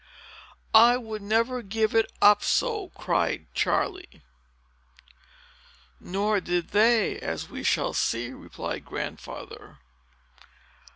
"I would never give it up so," cried Charley. "Nor did they, as we shall see," replied Grandfather.